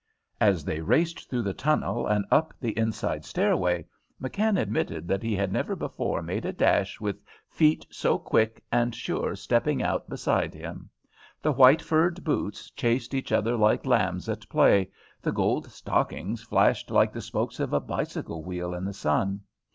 As they raced through the tunnel and up the inside stairway, McKann admitted that he had never before made a dash with feet so quick and sure stepping out beside him. The white furred boots chased each other like lambs at play, the gold stockings flashed like the spokes of a bicycle wheel in the sun.